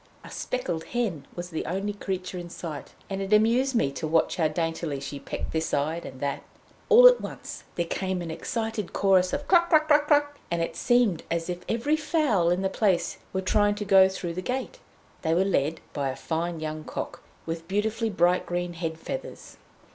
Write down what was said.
A speckled hen was the only creature in sight, and it amused me to watch how daintily she pecked this side and that. All at once there came an excited chorus of "Cluck Cluck Cluck!" and it seemed as if every fowl in the place were trying to go through the gate. They were led by a fine young cock, with beautifully bright green head feathers.